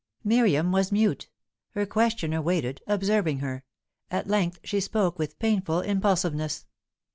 Miriam was mute. Her questioner waited, observing her. At length she spoke with painful impulsiveness.